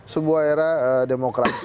sebuah era demokrasi